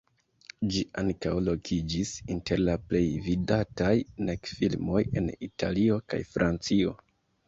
Ĝi ankaŭ lokiĝis inter la plej vidataj dek filmoj en Italio kaj Francio.